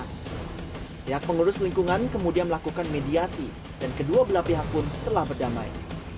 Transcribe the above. pihak pengurus lingkungan kemudian melakukan mediasi dan kedua belah pihak pun telah berdamai